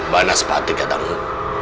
mana sepati ke dalammu